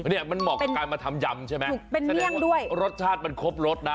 เนี่ยมันเหมาะกับการมาทำยำใช่ไหมถูกเป็นเรื่องด้วยรสชาติมันครบรสนะ